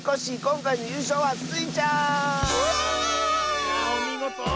いやおみごと。